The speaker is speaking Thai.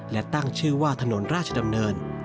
และตั้งชื่อว่าถนนราชดำเนิน